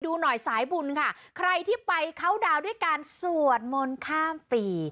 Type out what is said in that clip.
ดูหน่อยสายบุญค่ะใครที่ไปเข้าดาวน์ด้วยการสวดมนต์ข้ามปี